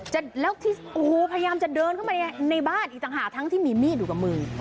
พยายามจะเดินเข้ามาในบ้านอีกต่างหากทั้งที่มีมีดอยู่กับมือ